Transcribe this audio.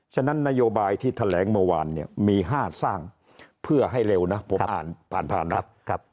ฉะนั้นนโยบายที่แถลงเมื่อวานเนี่ยมี๕สร้างเพื่อให้เร็วนะผมอ่านผ่านภานะ